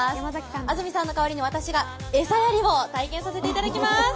安住さんの代わりに私が餌やりを体験させていただきます。